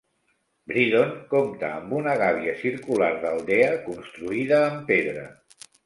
Breedon compta amb una gàbia circular d'aldea construïda en pedra.